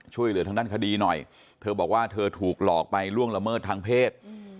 ช่วยเหลือทางด้านคดีหน่อยเธอบอกว่าเธอถูกหลอกไปล่วงละเมิดทางเพศ